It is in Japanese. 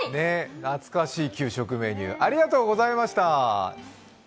懐かしい給食メニュー、ありがとうございました。